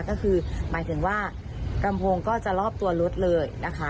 ก็คือหมายถึงว่าลำโพงก็จะรอบตัวรถเลยนะคะ